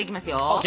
ＯＫ。